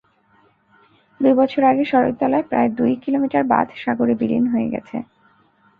দুই বছর আগে সরইতলায় প্রায় দুই কিলোমিটার বাঁধ সাগরে বিলীন হয়ে গেছে।